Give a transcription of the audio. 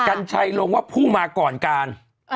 กัญชัยลงว่าผู้มาก่อนการ